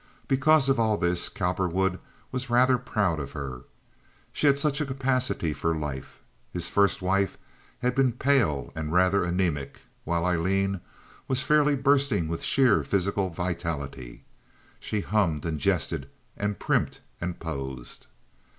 Because of all this Cowperwood was rather proud of her. She had such a capacity for life. His first wife had been pale and rather anemic, while Aileen was fairly bursting with sheer physical vitality. She hummed and jested and primped and posed.